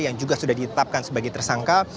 yang juga sudah ditetapkan sebagai tersangka